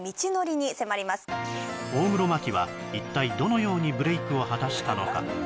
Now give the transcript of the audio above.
大黒摩季は一体どのようにブレイクを果たしたのか？